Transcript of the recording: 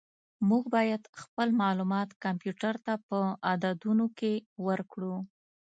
موږ باید خپل معلومات کمپیوټر ته په عددونو کې ورکړو.